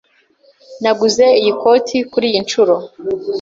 Naguze iyi koti kuriyi nshuro.